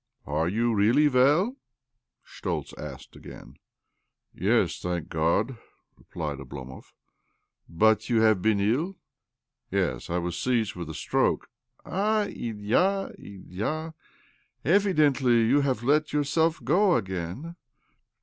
"Are you really well}" Schtoltz asked again. " Yes, thank God 1 " replied Obloraov. "But you have been ill?" " Yes— I was seized with a stroke." " Ah, Ilya, Ilya I Evidently you have let yourself go again.